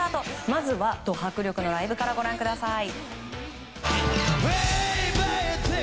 まずは、ド迫力のライブからご覧ください。